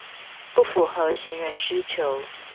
不符合行人需求